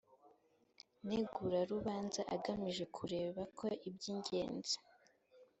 ntegurarubanza agamije kureba ko iby ingenzi